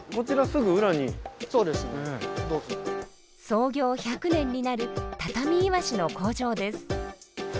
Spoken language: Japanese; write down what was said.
創業１００年になるたたみいわしの工場です。